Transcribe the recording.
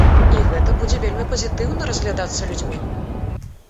І гэта будзе вельмі пазітыўна разглядацца людзьмі.